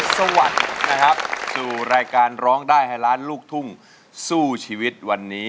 สวัสดิกับคุณสวัสดิ์